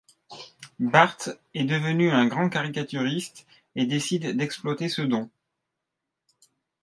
Bart est devenu un grand caricaturiste et décide d'exploiter ce don.